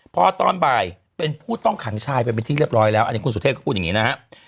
พอตอนบ่ายเป็นผู้ต้องขังชายไปเป็นที่เรียบร้อยแล้วอันนี้คุณสุเทพก็พูดอย่างนี้นะครับ